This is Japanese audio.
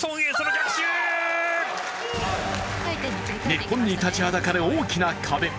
日本に立ちはだかる大きな壁。